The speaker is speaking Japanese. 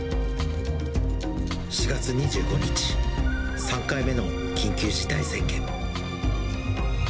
４月２５日、３回目の緊急事態宣言。